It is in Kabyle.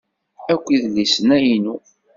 Akk idlisen-a inu.